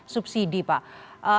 subsidi pak ada